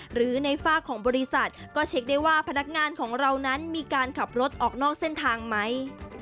หรือในฝากของบริษัทก็เช็คได้ว่าพนักงานของเรานั้นมีการขับรถออกนอกเส้นทางไหม